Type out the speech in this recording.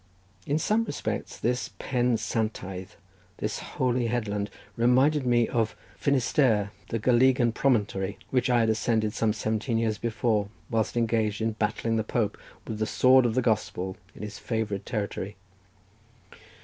In some respects this Pen Santaidd, this holy headland, reminded me of Finisterræ, the Gallegan promontory which I had ascended some seventeen years before, whilst engaged in battling the Pope with the sword of the gospel in his favourite territory.